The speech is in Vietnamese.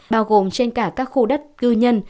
bao gồm trên cả các khu đất cư nhân